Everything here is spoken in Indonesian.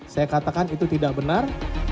saya katakan itu tidak benar